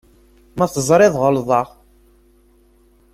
Ma teẓriḍ ɣelḍeɣ.